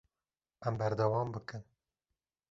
Em berdewam bikin.